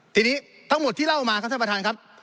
ทีนี้ทั้งหมดที่เล่ามาครับท่านประธานครับ